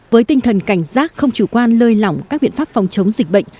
với tinh thần cảnh giác không chủ quan lơi lỏng các biện pháp phòng chống dịch bệnh